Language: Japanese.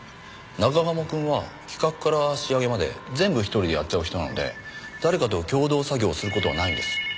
中鴨くんは企画から仕上げまで全部１人でやっちゃう人なので誰かと共同作業する事はないんです。